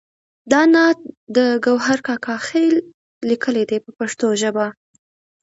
دا نعت د ګوهر کاکا خیل لیکلی دی په پښتو ژبه.